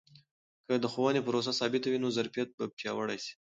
که د ښوونې پروسه ثابته وي، نو ظرفیت به پیاوړی سي.